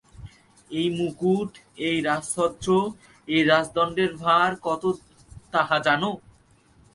এই মুকুট, এই রাজছত্র, এই রাজদণ্ডের ভার কত তাহা জান?